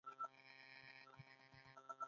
طبیعي لغتونه د وینو په څیر په ژبه کې جریان لري.